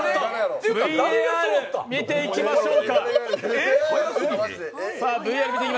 ＶＡＲ見ていきましょう。